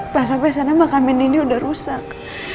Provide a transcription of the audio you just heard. pas sampe sana makamnya nindi udah rusak